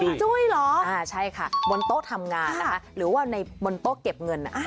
จุ้ยเหรออ่าใช่ค่ะบนโต๊ะทำงานนะคะหรือว่าในบนโต๊ะเก็บเงิน